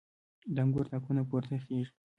د انګور تاکونه پورته خیژي